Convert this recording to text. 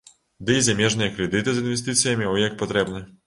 Дый замежныя крэдыты з інвестыцыямі ой як патрэбныя.